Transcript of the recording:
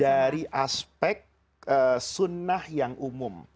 dari aspek sunnah yang umum